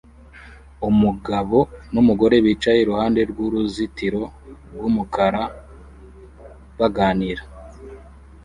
Umugabo numugore bicaye iruhande rwuruzitiro rwumukara baganira